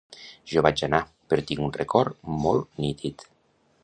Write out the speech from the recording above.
Jo vaig anar, però tinc un record molt nítid.